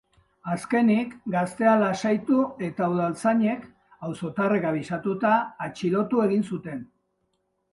Azkenik, gaztea lasaitu eta udaltzainek, auzotarrek abisatuta, atxilotu egin zuten.